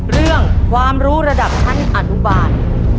เรื่องความรู้ระดับชั้นอนุบาล